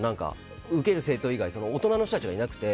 受ける生徒以外大人の人たちがいなくて。